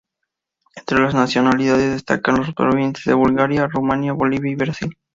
Entre las nacionalidades destacan los provenientes de Bulgaria, Rumanía, Bolivia y Brasil.